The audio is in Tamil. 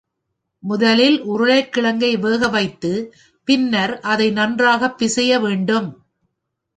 முதலில் உருளைக்கிழங்கை வேகவைத்து, பின்னர் அதை நன்றாக பிசைய வேண்டும்.